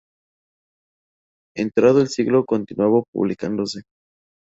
Entrado el siglo continuaba publicándose.